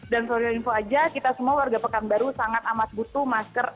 seluruh info aja kita semua warga pekanbaru sangat amat butuh masker